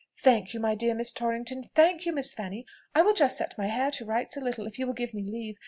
Thank you, my dear Miss Torrington; thank you, Miss Fanny: I will just set my hair to rights a little, if you will give me leave.